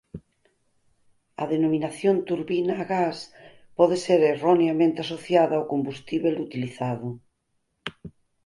A denominación turbina a gas pode ser erroneamente asociada ao combustíbel utilizado.